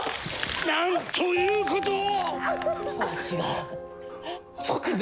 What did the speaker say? なんということを！